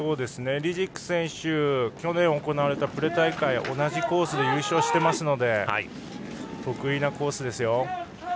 リジク選手は去年行われたプレ大会で同じコースで優勝してますので得意なコースですよ。